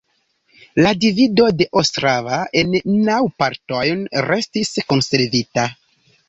La divido de Ostrava en naŭ partojn restis konservita.